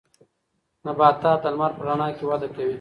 نباتات د لمر په رڼا کې وده کوي.